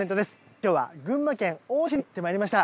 今日は群馬県太田市にやってまいりました。